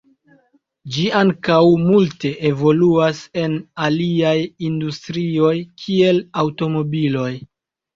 Ĝi ankaŭ multe evoluas en aliaj industrioj kiel aŭtomobiloj.